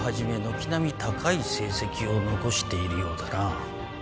軒並み高い成績を残しているようだな